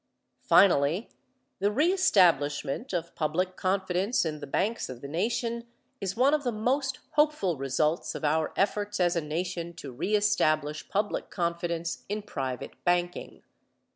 Finally, the reestablishment of public confidence in the banks of the nation is one of the most hopeful results of our efforts as a Nation to reestablish public confidence in private banking.